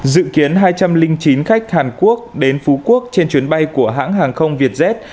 dự kiến hai trăm linh chín khách hàn quốc đến phú quốc trên chuyến bay của hãng hàng không vietjet